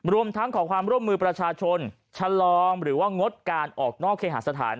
รวมทั้งขอความร่วมมือประชาชนชะลอหรือว่างดการออกนอกเคหาสถาน